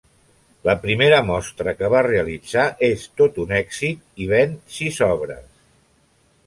La primera mostra que va realitzar és tot un èxit i ven sis obres.